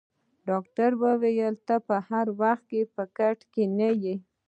ډاکټر وویل: ته به هر وخت په کټ کې نه یې.